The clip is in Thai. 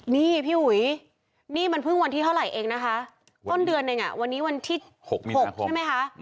นี่พี่อุ๋ยนี่มันเพิ่งวันที่เท่าไหร่เองนะคะต้นเดือนเองวันนี้วันที่๖๖ใช่ไหมคะ